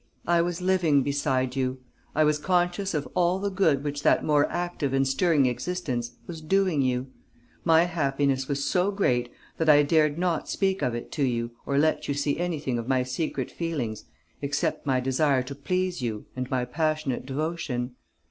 I was living beside you. I was conscious of all the good which that more active and stirring existence was doing you. My happiness was so great that I dared not speak of it to you or let you see anything of my secret feelings except my desire to please you and my passionate devotion.